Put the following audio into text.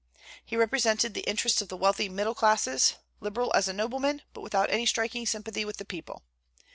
He represented the interests of the wealthy middle classes, liberal as a nobleman, but without any striking sympathy with the people.